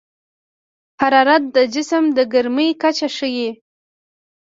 حرارت د جسم د ګرمۍ کچه ښيي.